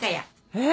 えっ？